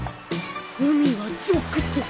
海はゾクゾク。